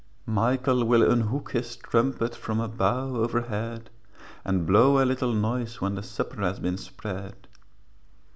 Michael will unhook his trumpet From a bough overhead, And blow a little noise When the supper has been spread.